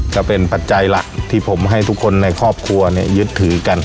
ปัจจัยหลักที่ผมให้ทุกคนในครอบครัวยึดถือกัน